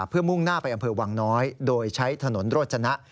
เพื่อมุ่งหน้าไปอำเภอวังน้อยโดยใช้ถนนโรจนะ